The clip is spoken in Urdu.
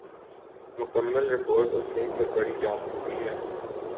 مکمل رپورٹ اس لنک پر پڑھی جا سکتی ہے ۔